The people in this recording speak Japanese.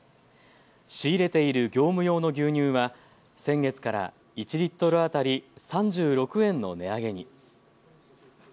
仕入れている業務用の牛乳は先月から１リットル当たり３６円の値上げに。